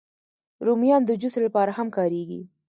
رومیان د جوس لپاره هم کارېږي